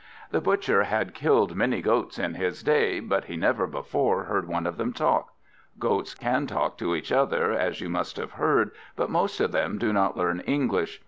This Butcher had killed many goats in his day, but he never before heard one of them talk. Goats can talk to each other, as you must have heard; but most of them do not learn English.